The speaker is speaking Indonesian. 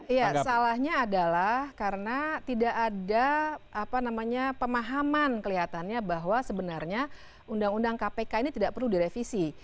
iya salahnya adalah karena tidak ada pemahaman kelihatannya bahwa sebenarnya undang undang kpk ini tidak perlu direvisi